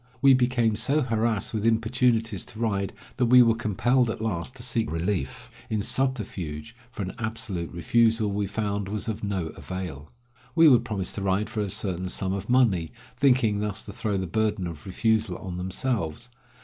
We became so harassed with importunities to ride that we were compelled at last to seek relief in subterfuge, for an absolute refusal, we found, was of no avail. We would promise to ride for a certain sum of money, thinking thus to throw the burden of refusal on themselves.